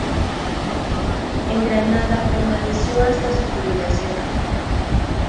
En Granada permaneció hasta su jubilación.